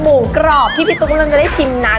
หมูกรอบที่พี่ตุ๊กกำลังจะได้ชิมนะ